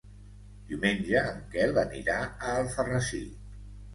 Diumenge en Quel anirà a Alfarrasí.